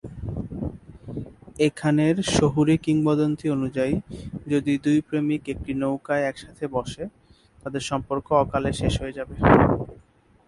এখানের শহুরে কিংবদন্তি অনুযায়ী, যদি দুই প্রেমিক একটি নৌকায় একসাথে বসে, তাদের সম্পর্ক অকালে শেষ হয়ে যাবে।